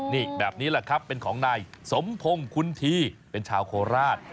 นี่แบบนี้แหละครับเป็นของนายสมพงศ์คุณทีเป็นชาวโคราช